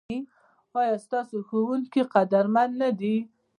ایا ستاسو ښوونکي قدرمن دي؟